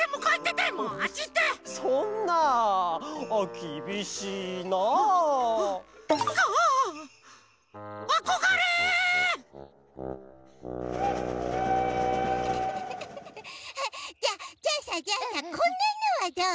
じゃあじゃあさじゃあさこんなのはどう？